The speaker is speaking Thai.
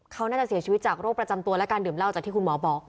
เขาน่าจะเสียชีวิตจากโรคประจำตัวและการดื่มเหล้าจากที่คุณหมอบอก